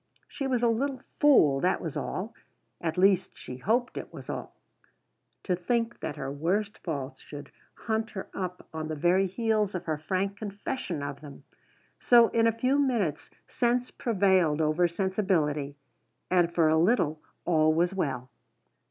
She was a little fool, that was all; at least she hoped it was all. To think that her worst faults should hunt her up on the very heels of her frank confession of them! So in a few minutes sense prevailed over sensibility. And for a little all was well.